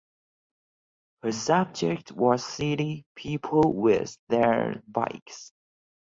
Her subject was city people with their bikes.